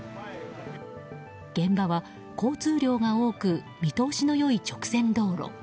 現場は交通量が多く見通しの良い直線道路。